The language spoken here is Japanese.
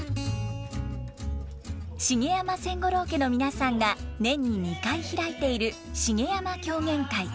茂山千五郎家の皆さんが年に２回開いている茂山狂言会。